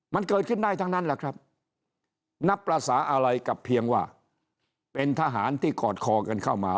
มันเกิดขึ้นได้ทั้งนั้นแหละครับนับภาษาอะไรกับเพียงว่าเป็นทหารที่กอดคอกันเข้ามา